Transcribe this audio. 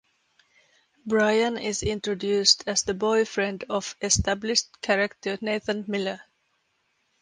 Bryan is introduced as the boyfriend of established character Nathan Miller.